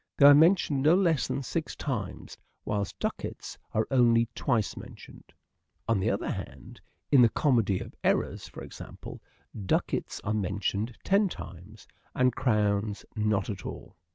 They are mentioned no less than six times whilst " ducats " are only twice mentioned. On the other hand, in " The Comedy of Errors," for example, " ducats " are 272 " SHAKESPEARE " IDENTIFIED mentioned ten times and " crowns " not at all.